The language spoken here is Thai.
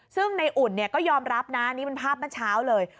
ซึ่งในอุ่นก็ยอมรับนะนี่เป็นภาพเมื่อเช้าเลย